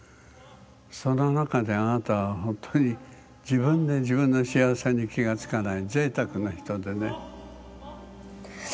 その中であなたはほんとに自分で自分の幸せに気が付かないぜいたくな人でね。